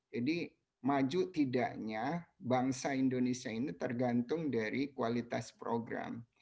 jadi maju tidaknya bangsa indonesia ini tergantung dari kualitas program